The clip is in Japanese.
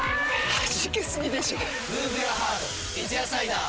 はじけすぎでしょ『三ツ矢サイダー』